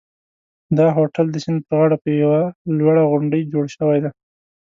دا هوټل د سیند پر غاړه په یوه لوړه غونډۍ جوړ شوی دی.